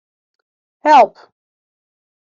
Help.